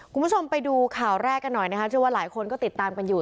คุณผู้ชมไปดูข่าวแรกกันหน่อยนะคะเชื่อว่าหลายคนก็ติดตามกันอยู่